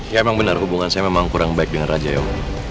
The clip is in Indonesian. ya emang benar hubungan saya memang kurang baik dengan raja ya